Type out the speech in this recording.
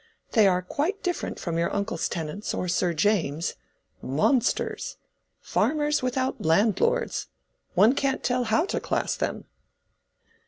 They are quite different from your uncle's tenants or Sir James's—monsters—farmers without landlords—one can't tell how to class them."